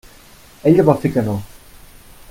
Ella va fer que no.